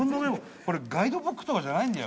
これガイドブックとかじゃないんだよ。